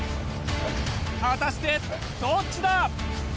果たしてどっちだ！？